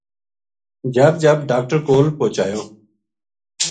جھب جھب ڈاکٹر کول پوہچایو